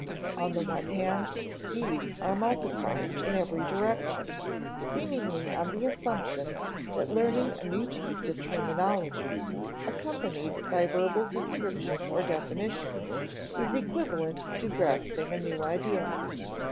On the one hand, these are multiplied in every direction, seemingly on the assumption that learning a new piece of terminology, accompanied by verbal description or definition, is equivalent to grasping a new idea.